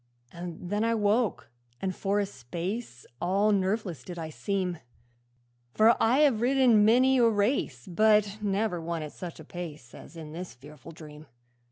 'And then I woke, and for a space All nerveless did I seem; For I have ridden many a race, But never one at such a pace As in that fearful dream.